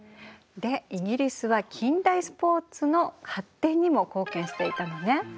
でイギリスは近代スポーツの発展にも貢献していたのね。